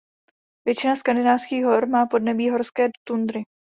Většina skandinávských hor má podnebí horské tundry.